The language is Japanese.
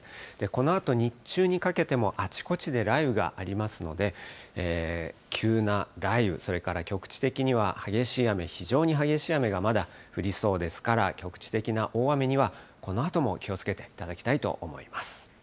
このあと、日中にかけてもあちこちで雷雨がありますので、急な雷雨、それから局地的には激しい雨、非常に激しい雨がまだ降りそうですから、局地的な大雨にはこのあとも気をつけていただきたいと思います。